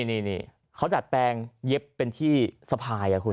นี่เขาดัดแปลงเย็บเป็นที่สะพายคุณ